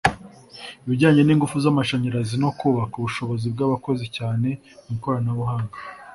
ibijyanye n’ingufu z’amashanyarazi no kubaka ubushobozi bw’abakozi cyane mu ikoranabuhanga